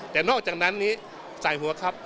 แต่นอกจากนั้นนี้สายหัวครับ